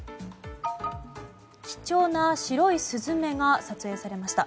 貴重な白いスズメが撮影されました。